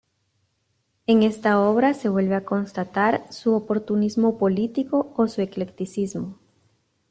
En esta obra se vuelve a constatar su oportunismo político, o su eclecticismo.